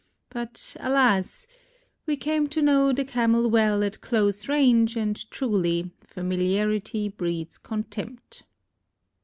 But alas! We came to know the Camel well at close range and truly "familiarity breeds contempt."